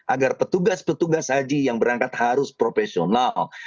agar petugas petugas haji yang berangkat harus profesional